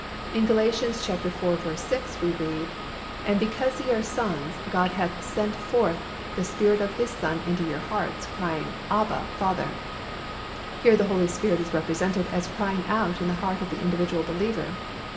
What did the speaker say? In Gal. iv. 6 we read, "And because ye are sons, God hath sent forth the Spirit of His Son into your hearts, crying, Abba, Father." Here the Holy Spirit is represented as crying out in the heart of the individual believer.